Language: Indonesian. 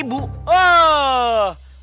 kamu bisa disamperin sama ibu